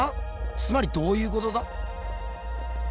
つまりどういうことだ？